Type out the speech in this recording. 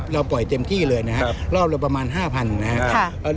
เราปล่อยเต็มที่เลยนะครับครับรอบเราประมาณห้าพันนะครับค่ะ